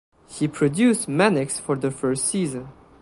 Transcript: He produced "Mannix" for the first season.